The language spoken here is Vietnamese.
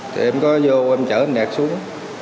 thì em có vô em chở anh đạt xuống